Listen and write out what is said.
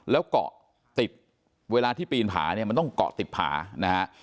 แล้วเกาะติดเวลาที่ปีนผาเนี่ยมันต้องเกาะติดผานะฮะ